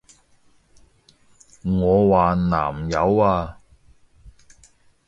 我話南柚啊！